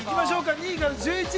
◆２位から１１位。